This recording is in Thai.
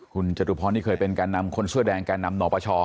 คุณจตุพรนี่เคยเป็นแก่นำคนเสื้อแดงแก่นำหนอปช